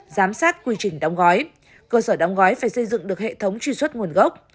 giám sát quy trình đóng gói cơ sở đóng gói phải xây dựng được hệ thống truy xuất nguồn gốc